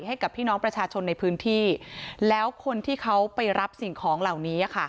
ให้กับพี่น้องประชาชนในพื้นที่แล้วคนที่เขาไปรับสิ่งของเหล่านี้